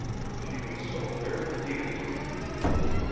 She was so very dear to him.